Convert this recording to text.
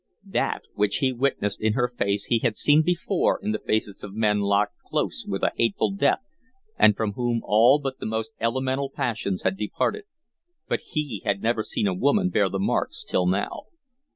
That which he witnessed in her face he had seen before in the faces of men locked close with a hateful death and from whom all but the most elemental passions had departed but he had never seen a woman bear the marks till now.